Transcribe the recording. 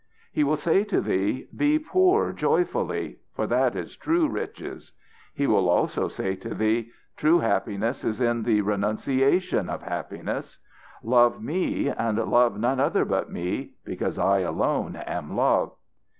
"He will say to thee: 'Be poor joyfully, for that is true riches.' He will also say to thee: 'True happiness is in the renunciation of happiness. Love Me and love none other but Me, because I alone am love.